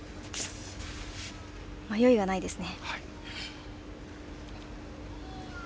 迷いがないですね。